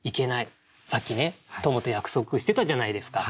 さっきねトモと約束してたじゃないですか。